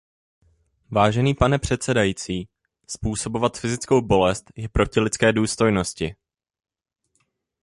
Vážený pane předsedající, způsobovat fyzickou bolest je proti lidské důstojnosti.